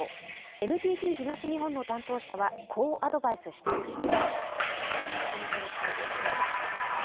ＮＴＴ東日本の担当者はこうアドバイスしていました。